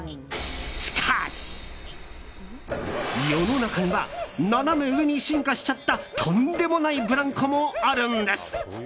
しかし、世の中にはナナメ上に進化しちゃったとんでもないブランコもあるんです。